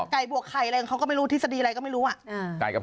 บวกไข่อะไรของเขาก็ไม่รู้ทฤษฎีอะไรก็ไม่รู้อ่ะ